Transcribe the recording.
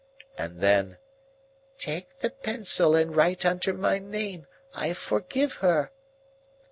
And then, "Take the pencil and write under my name, 'I forgive her!